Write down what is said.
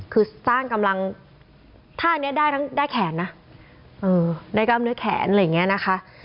คือสร้างกำลังท่านี้ได้ทั้งได้แขนนะได้กล้ามเนื้อแขนอะไรอย่างนี้นะคะ